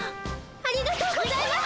ありがとうございます！